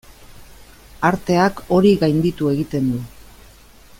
Arteak hori gainditu egiten du.